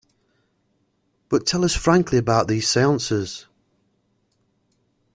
But tell us frankly about these seances.